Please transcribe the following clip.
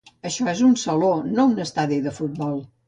Això és un saló, no un estadi de futbol.